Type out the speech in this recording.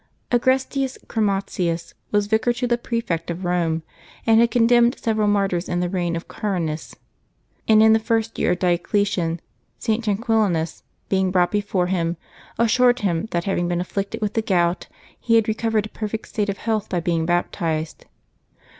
aGRESTius Chromatius was vicar to the prefect of Eome, and had condemned several martyrs in the reign of Carinas; and in the first years of Diocletian, St. Tranquillinus, being brought before him, assured him that, having been afflicted with the gout, he had recovered a perfect state of health by being baptized.